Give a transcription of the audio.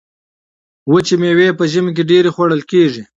وچې میوې په ژمي کې ډیرې خوړل کیږي.